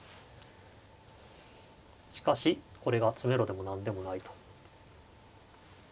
しかしこれが詰めろでも何でもないと。